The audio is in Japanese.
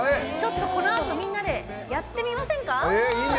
このあとみんなでやってみませんか！